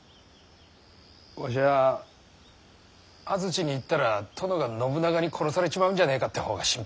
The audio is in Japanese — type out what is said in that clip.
わしゃ安土に行ったら殿が信長に殺されちまうんじゃねえかって方が心配だ。